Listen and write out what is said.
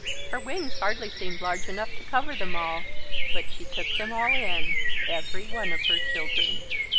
Her wings hardly seemed large enough to cover them all, but she took them all in, every one of her children.